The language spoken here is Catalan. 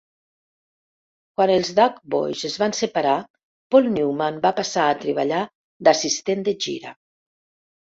Quan els Doughboys es van separar, Paul Newman va passar a treballar d'assistent de gira.